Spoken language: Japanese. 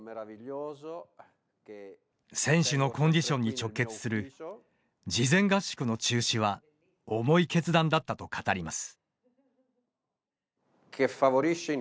選手のコンディションに直結する事前合宿の中止は重い決断だったと語ります。